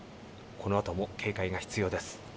このあとも警戒が必要です。